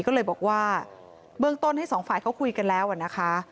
ก็เลยบอกว่าเบื้องต้นให้สองฝ่ายเขาคุยกันแล้วนะคะ